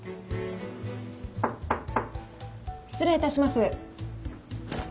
失礼いたします。